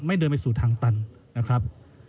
เดินไปสู่ทางตันนะครับ